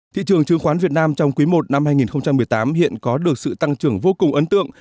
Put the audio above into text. thị trường chứng khoán việt nam trong quý i năm hai nghìn một mươi tám hiện có được sự tăng trưởng vô cùng ấn tượng